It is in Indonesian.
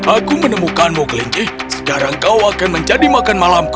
aku menemukanmu kelinci sekarang kau akan menjadi makan malamku